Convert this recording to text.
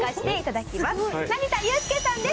成田悠輔さんです。